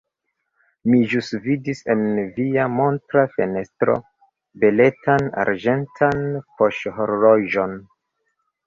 Mi ĵus vidis en via montra fenestro beletan arĝentan poŝhorloĝon.